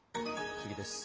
次です。